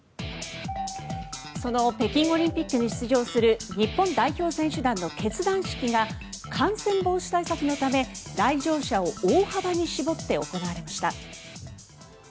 その北京オリンピックに出場する日本代表選手団の結団式が感染防止対策のため来場者を大幅に絞って行われました。